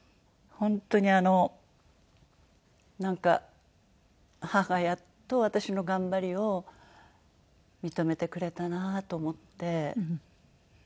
本当にあのなんか母がやっと私の頑張りを認めてくれたなと思って。